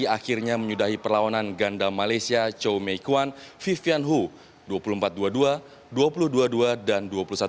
akhirnya menyudahi perlawanan ganda malaysia cho mei kuan vivian hu dua puluh empat dua puluh dua dua puluh dua puluh dua dan dua puluh satu dua belas